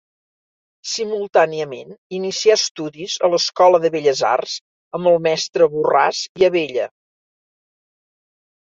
Simultàniament inicià estudis a l'Escola de Belles Arts amb el mestre Borràs i Abella.